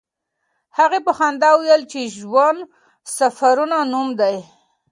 هغې په خندا وویل چې ژوند د سفرونو نوم دی.